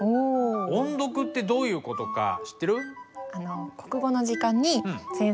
「音読」ってどういう事か知ってる？